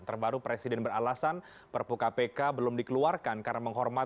terbaru presiden beralasan perpu kpk belum dikeluarkan karena menghormati